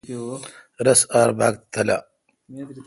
رس آر باگ تہ تلا۔